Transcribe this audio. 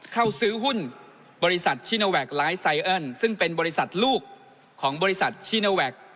เข้าซื้อหุ้นบริษัทชิโนแวคไลฟ์ไซเอิ้นซึ่งเป็นบริษัทลูกของบริษัทชิโนแวค